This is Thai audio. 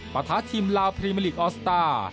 ประทะทีมลาวพรีเมอร์ลีกออสตาร์